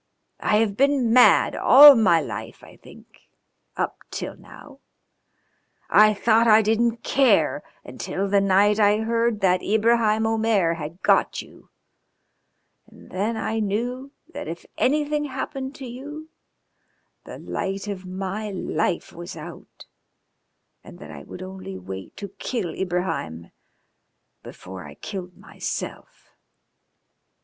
I have been mad all my life, I think up till now. I thought I didn't care until the night I heard that Ibraheim Omair had got you, and then I knew that if anything happened to you the light of my life was out, and that I would only wait to kill Ibraheim before I killed myself."